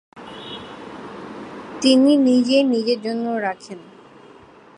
তিনি নিজেই নিজের জন্য রাখেন।